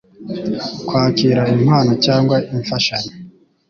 kwakira impano cyangwa impfashanyo